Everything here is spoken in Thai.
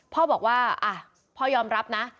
พ่อบอกว่าพ่อยอมรับนะ